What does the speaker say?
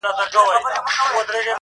• چي د ریا پر منبرونو دي غوغا ووینم -